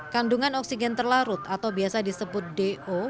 kandungan oksigen terlarut atau biasa disebut do